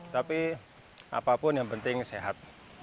tapi apapun yang penting sehat